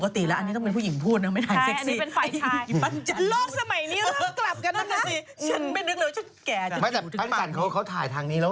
ปกติแล้วอันนี้ต้องเป็นผู้หญิงพูดนะไม่ถ่ายเซ็กซี่